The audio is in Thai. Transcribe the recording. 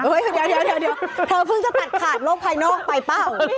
เดี๋ยวเธอเพิ่งจะตัดขาดโลกภายนอกไปเปล่า